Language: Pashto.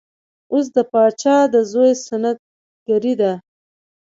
اوس د پاچا د زوی سنت ګري ده.